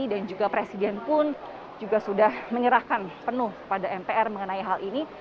dan juga presiden pun juga sudah menyerahkan penuh pada mpr mengenai hal ini